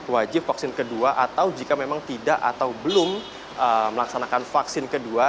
wajib vaksin kedua atau jika memang tidak atau belum melaksanakan vaksin kedua